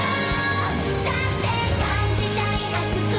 「だって感じたい熱く」